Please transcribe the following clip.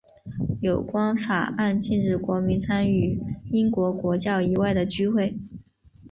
有关法案禁止国民参与英国国教以外的聚会。